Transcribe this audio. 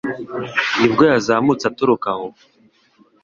nibwo yazamutse aturuka aho